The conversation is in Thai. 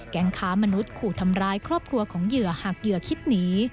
ค้ามนุษย์ขู่ทำร้ายครอบครัวของเหยื่อหากเหยื่อคิดหนี